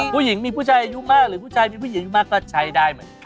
ผู้หญิงมีผู้ชายอายุมากหรือผู้ชายมีผู้หญิงมากก็ใช้ได้เหมือนกัน